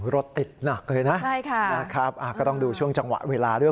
รถติดหนักเลยนะใช่ค่ะนะครับก็ต้องดูช่วงจังหวะเวลาด้วย